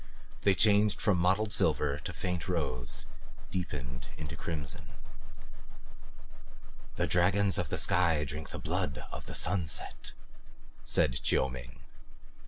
They changed from mottled silver into faint rose, deepened to crimson. "The dragons of the sky drink the blood of the sunset," said Chiu Ming.